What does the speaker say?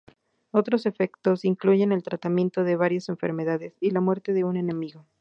Otros efectos incluyen el tratamiento de varias enfermedades, y la muerte de un enemigo.